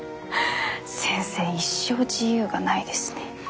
先生一生自由がないですね。